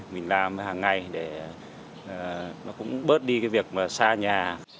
mình làm hàng ngày để nó cũng bớt đi cái việc mà xa nhà